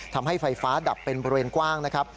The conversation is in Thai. ทำให้ไฟฟ้าดับเป็นบริเวณกว้างนะครับ